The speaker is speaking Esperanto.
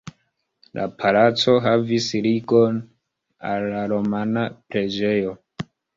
La palaco havis ligon al la romana preĝejo.